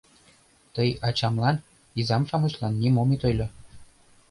Тый ачамлан, изам-шамычлан нимом ит ойло...